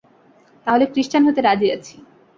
তা হলে ক্রিশ্চান হতে রাজি আছি।